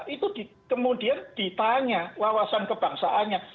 itu kemudian ditanya wawasan kebangsaannya